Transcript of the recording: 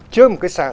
trước một cái sàn